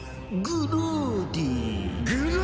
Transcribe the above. グローディ！